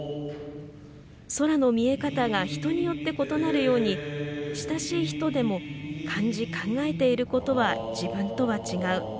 空の見え方が人によって異なるように親しい人でも、感じ考えていることは自分とは違う。